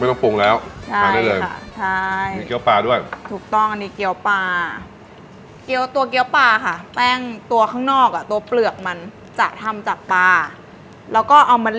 ไม่ต้องปรุงแล้วใช่ค่ะใช่มีเกี๊ยวปลาด้วยถูกต้องอันนี้เกี๊ยวปลาตัวเกี๊ยวปลาค่ะแป้งตัวข้างนอกอ่ะตัวเปลือกมันจะทำจากปลา